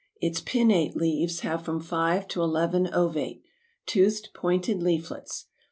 Its pinnate leaves have from five to eleven ovate, toothed pointed leaflets.